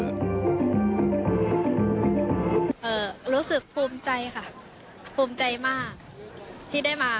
รู้สึกภูมิใจค่ะภูมิใจมากที่ได้มา